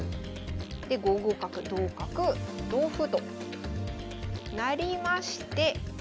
で５五角同角同歩となりまして。